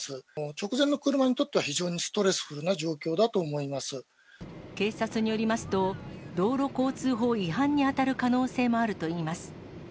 直前の車にとっては非常にストレ警察によりますと、道路交通法違反に当たる可能性もあるといいます。